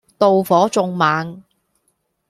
妒火縱猛